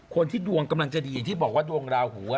คนที่ดวงกำลังจะดีอย่างที่บอกว่าดวงราหู